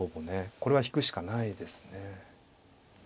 これは引くしかないですね。